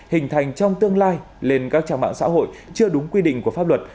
hình thành trong tương lai lên các trang mạng xã hội chưa đúng quy định của pháp luật